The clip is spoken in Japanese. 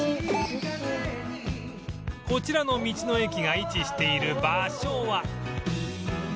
こちらの道の駅が位置している場所は